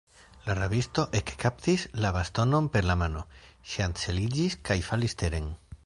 La rabisto ekkaptis la bastonon per la mano, ŝanceliĝis kaj falis teren.